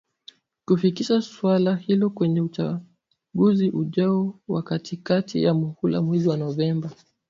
kufikisha suala hilo kwenye uchaguzi ujao wa kati kati ya mhula mwezi wa Novemba